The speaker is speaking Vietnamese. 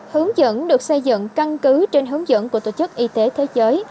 hướng dẫn được xây dựng căn cứ trên hướng dẫn của tổ chức y tế thế giới